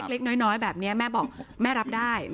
เล็กน้อยแบบนี้แม่บอกแม่รับได้